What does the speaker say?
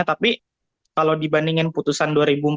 tapi kalau dibandingin putusan dua ribu empat belas